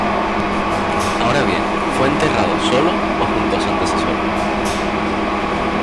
Ahora bien, ¿fue enterrado solo o junto a su antecesor?